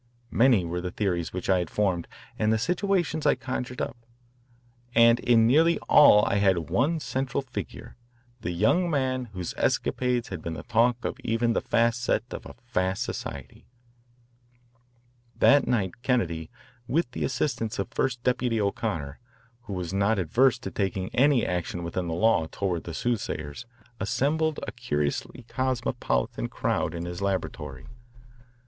Many were the theories which I had formed and the situations I conjured up, and in nearly all I had one central figure, the young man whose escapades had been the talk of even the fast set of a fast society. That night Kennedy, with the assistance of First Deputy O'Connor, who was not averse to taking any action within the law toward the soothsayers, assembled a curiously cosmopolitan crowd in his laboratory.